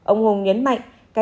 ông hùng nhấn mạnh